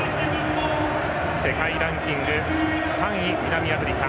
世界ランキング３位、南アフリカ。